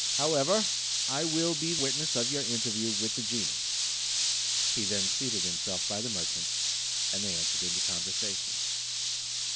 However, I will be witness of your interview with the genie." He then seated himself by the merchant, and they entered into conversation.